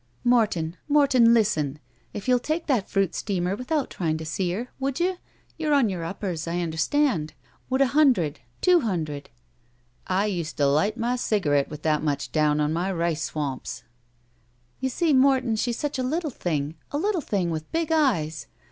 "Morton — ^Morton, listen! If you'll take that fruit steamer without trjong to see her — ^would you? You're on yoiu* uppers. I understand. Would a hundred — two hundred —" "I used to light my cigarette with that much down on my rice swamps^—" 170 THE SMUDGE "You see, Morton, she's such a little thing. A little thing with big eyes.